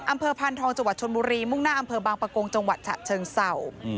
พานทองจังหวัดชนบุรีมุ่งหน้าอำเภอบางประกงจังหวัดฉะเชิงเศร้า